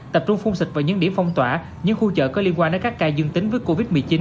tập trung phun xịt vào những điểm phong tỏa những khu chợ có liên quan đến các ca dương tính với covid một mươi chín